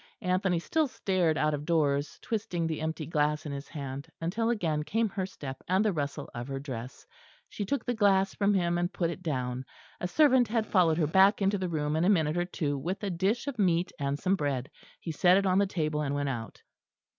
Anthony still stared out of doors, twisting the empty glass in his hand; until again came her step and the rustle of her dress. She took the glass from him and put it down. A servant had followed her back into the room in a minute or two with a dish of meat and some bread; he set it on the table, and went out.